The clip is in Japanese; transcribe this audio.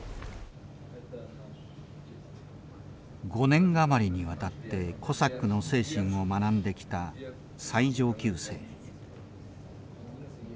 ５年余りにわたってコサックの精神を学んできた最上級生。